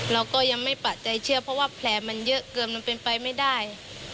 เราก็ยังไม่ปะใจเชื่อเพราะว่าแผลมันเยอะเกินมันเป็นไปไม่ได้